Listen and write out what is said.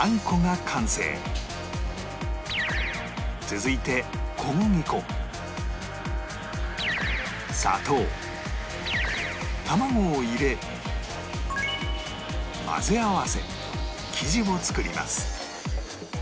続いて小麦粉砂糖卵を入れ混ぜ合わせ生地を作ります